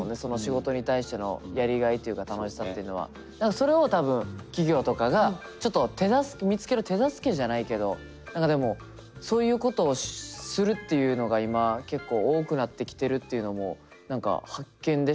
結局それを多分企業とかがちょっと手助け見つける手助けじゃないけど何かでもそういうことをするっていうのが今結構多くなってきてるっていうのも何か発見でしたね。